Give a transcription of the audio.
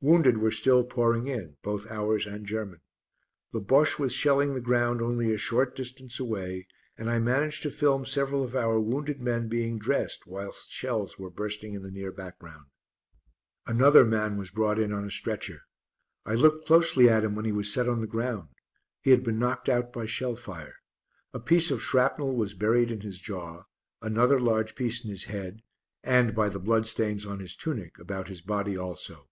Wounded were still pouring in, both ours and German. The Bosche was shelling the ground only a short distance away and I managed to film several of our wounded men being dressed whilst shells were bursting in the near background. Another man was brought in on a stretcher. I looked closely at him when he was set on the ground. He had been knocked out by shell fire. A piece of shrapnel was buried in his jaw, another large piece in his head, and, by the bloodstains on his tunic, about his body also.